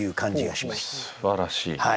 すばらしい。